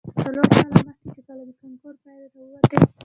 څلور کاله مخې، چې کله د کانکور پايلې راوتې.